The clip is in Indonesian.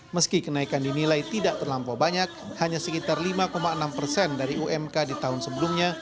meski kenaikan dinilai tidak terlampau banyak hanya sekitar lima enam persen dari umk di tahun sebelumnya